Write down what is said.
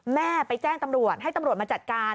แม่ไปแจ้งตำรวจให้ตำรวจมาจัดการ